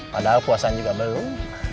padahal puasan juga belum